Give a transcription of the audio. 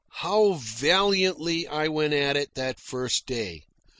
How valiantly I went at it that first day.